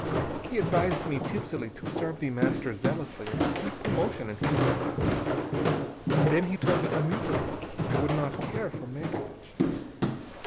He advised me tipsily to serve The Master zealously and receive promotion in his service. Then, he told me amusedly, I would not care for marriage.